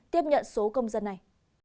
tiếp nhận số công dân này